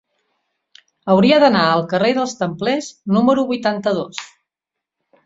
Hauria d'anar al carrer dels Templers número vuitanta-dos.